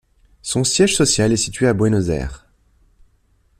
Son siège social est situé à Buenos Aires.